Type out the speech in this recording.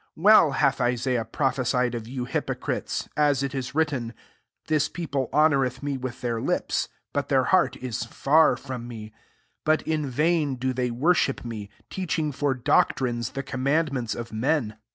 " Well hath Isaiah pro phesied of you, h3rpocrites, 9m U is written, < This people honoi eth me with their lips, but ^ttmk heart is far from me* 7 Bt^ ^ vain do they worship me, teSM ing/or doctnnes the commaiMi MARK VIL 65 mmts of men.'